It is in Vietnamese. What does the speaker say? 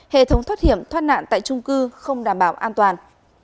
hệ thống thoát hiểm thoát nạn tại trung cư không đảm bảo an toàn